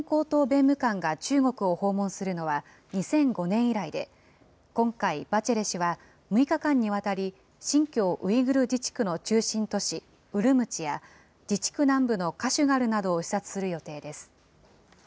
人権高等弁務官が中国を訪問するのは、２００５年以来で、今回、バチェレ氏は６日間にわたり、新疆ウイグル自治区の中心都市ウルムチや、自治区南部のカシュガルなどを視察する予定です。